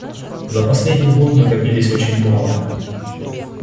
За последний год мы добились очень многого.